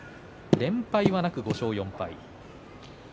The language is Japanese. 連敗はなく５勝４敗です。